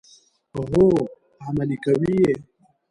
هو، عملي کوي یې.